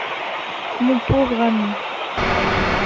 Mon pauvre ami!